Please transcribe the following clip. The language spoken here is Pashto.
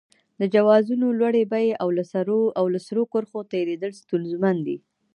د جوازونو لوړې بیې او له سرو کرښو تېرېدل ستونزمن دي.